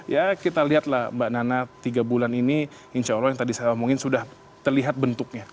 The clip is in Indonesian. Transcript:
ya kita lihatlah mbak nana tiga bulan ini insya allah yang tadi saya omongin sudah terlihat bentuknya